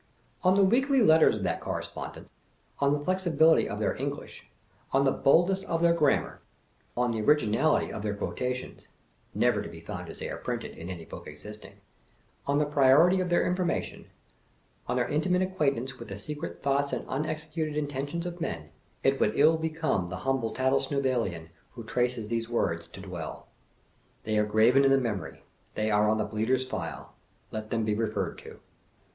On the weekly letters of that Correspondent, on the flex ibility of their English, on the boldness of their grammar, on the originality of their quotations (never to be found as they are printed, ia any book existing), on the priority of their information, on their intimate acquaintance with the secret thoughts and unexecuted intentions of men, it would iU become the humble Tattlesnivellian who traces these words, to dwell. They are graven in the memory; they are on the Bleater' s file. Let them be referred to.